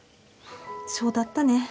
そうだったね。